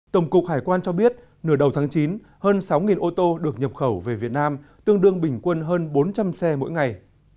tổng cục hải quan cho biết nửa đầu tháng chín hơn sáu ô tô được nhập khẩu về việt nam tương đương bình quân hơn bốn trăm linh xe mỗi ngày